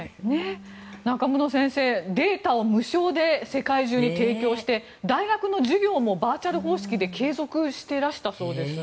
中室先生データを無償で世界中に提供して大学の授業もバーチャル方式で継続していらしたそうです。